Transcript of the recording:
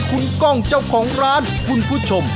คุณกล้องเจ้าของร้านคุณผู้ชม